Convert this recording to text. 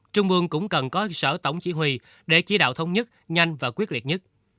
trung ương cũng cần có sở tổng chỉ huy để chỉ đạo thống nhất nhanh và quyết liệt nhất